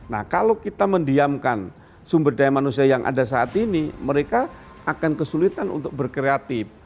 nah kalau kita mendiamkan sumber daya manusia yang ada saat ini mereka akan kesulitan untuk berkreatif